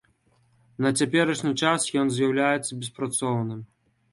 На цяперашні час ён з'яўляецца беспрацоўным.